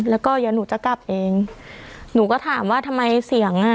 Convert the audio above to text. แล้วก็เดี๋ยวหนูจะกลับเองหนูก็ถามว่าทำไมเสียงอ่ะ